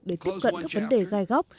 để tiếp cận các vấn đề gai góc